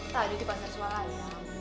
tadi di pasar suara ya